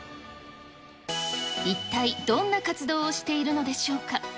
一体どんな活動をしているのでしょうか。